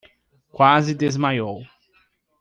Quase desmaiou